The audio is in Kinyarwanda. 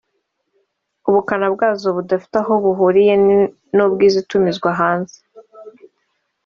ubukana bwazo budafite aho buhuriye n’ubw’izitumizwa hanze